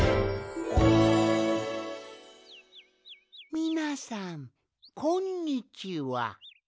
みなさんこんにちは。